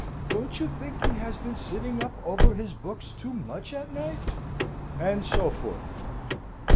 "Don't you think he has been sitting up over his books too much at night?" and so forth.